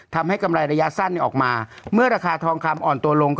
กำไรระยะสั้นออกมาเมื่อราคาทองคำอ่อนตัวลง